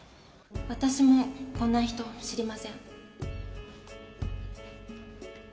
私もこんな人知りません。